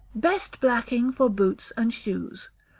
Best Blacking for Boots and Shoes.